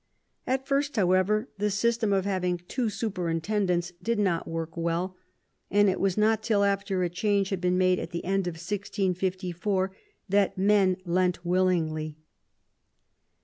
At first, however, the system of having two superintendents did not work well, and it was not till after a change had been made at the end of 1654 that men lent willingly.